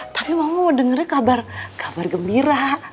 tapi mama mau dengernya kabar gembira